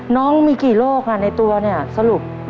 น้องมีกี่โรคค่ะในตัวเนี่ยสรุป